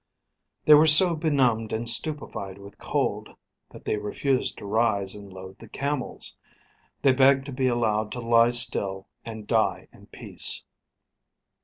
They were so benumbed and stupified with cold, that they refused to rise and load the camels; they begged to be allowed to lie still and die in peace.